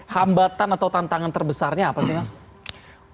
hambatan atau tantangan terbesarnya apa sih mas